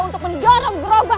untuk mendorong gerobak